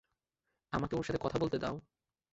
আমাকে ওর সাথে কথা বলতে দাও।